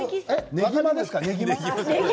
ねぎまですかね。